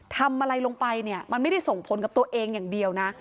ทำอะไรลงไปเนี่ยมันไม่ได้ส่งผลกับตัวเองอย่างเดียวนะ